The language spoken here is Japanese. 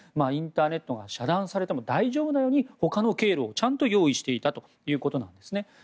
インターネットが遮断されても大丈夫なようにほかの経路をちゃんと用意していたということなんですね。